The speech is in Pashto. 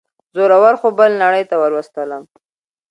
زوره ور خوب بلې نړۍ ته وروستلی وم.